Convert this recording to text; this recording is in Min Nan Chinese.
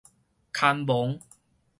牽亡